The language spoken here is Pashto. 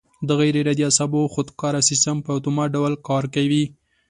د غیر ارادي اعصابو خودکاره سیستم په اتومات ډول کار کوي.